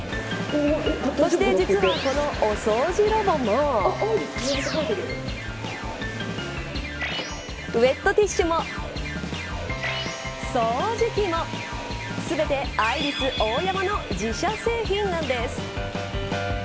そして実はこのお掃除ロボもウエットティッシュも掃除機も全て、アイリスオーヤマの自社製品なんです。